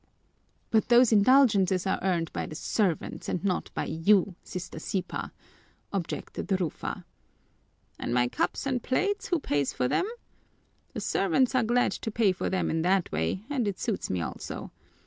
"But those indulgences are earned by the servants and not by you, Sister Sipa," objected Rufa. "And my cups and plates, who pays for them? The servants are glad to pay for them in that way and it suits me also.